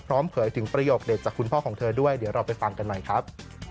เผยถึงประโยคเด็ดจากคุณพ่อของเธอด้วยเดี๋ยวเราไปฟังกันหน่อยครับ